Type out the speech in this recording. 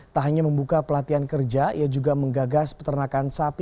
tak hanya membuka pelatihan kerja ia juga menggagas peternakan sapi